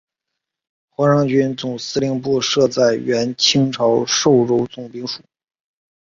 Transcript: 淮上军总司令部设在原清朝寿州总兵署。